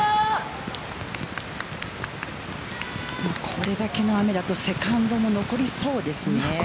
これだけの雨だとセカンドも残りそうですね。